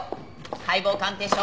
解剖鑑定書。